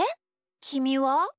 きみは？